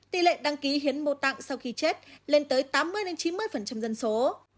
tỷ lệ đăng ký hiến mô tạng sau khi chết lên tới tám mươi chín mươi dân số